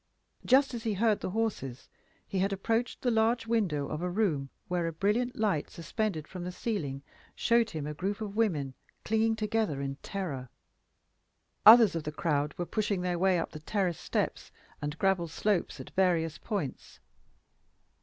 Just as he heard the horses, he had approached the large window of a room where a brilliant light suspended from the ceiling showed him a group of women clinging together in terror. Others of the crowd were pushing their way up the terrace steps and gravel slopes at various points.